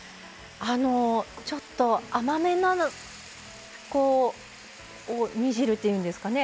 甘めな煮汁というんですかね。